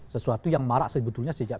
sesuatu yang marak sebetulnya sejak